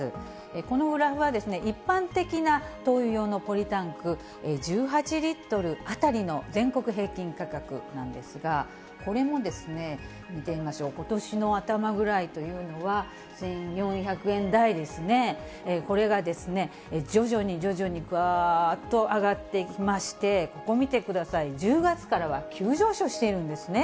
このグラフは一般的な灯油用のポリタンク、１８リットル当たりの全国平均価格なんですが、これも、見てみましょう、ことしの頭ぐらいというのは、１４００円台ですね、これが徐々に徐々に、ばーっと上がってきまして、ここ見てください、１０月からは急上昇しているんですね。